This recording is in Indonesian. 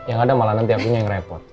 nanti aku yang ngerepot